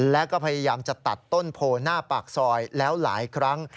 และก็พยายามจะตัดต้นโพหน้าปากซอยแล้วหลายครั้ง